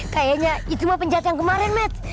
kayaknya itu mah penjahat yang kemarin match